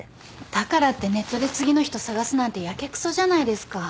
だからってネットで次の人探すなんてやけくそじゃないですか。